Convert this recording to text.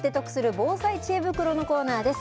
防災知恵袋のコーナーです。